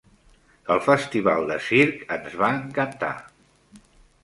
El festival de circ ens va encantar.